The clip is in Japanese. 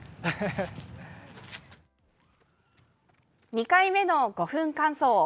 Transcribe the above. ２回目の５分間走。